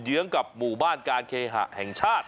เยื้องกับหมู่บ้านการเคหะแห่งชาติ